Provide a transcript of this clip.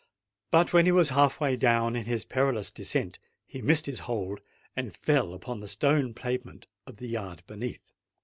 But when he was half way down in his perilous descent, he missed his hold, and fell upon the stone pavement of the yard beneath.